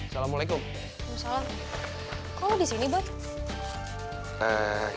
cimburu kalo nggak dapet parah lah coba c math